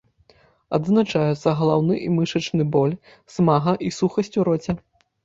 Адзначаюцца галаўны і мышачны боль, смага і сухасць у роце.